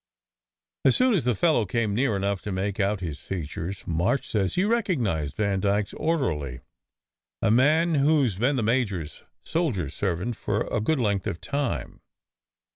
As soon as the fellow came near enough to make out his SECRET HISTORY 139 features, March says he recognized Vandyke s orderly, a man who s been the major s soldier servant for a good length of time.